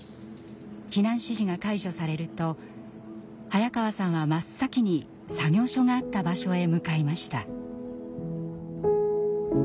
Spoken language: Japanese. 避難指示が解除されると早川さんは真っ先に作業所があった場所へ向かいました。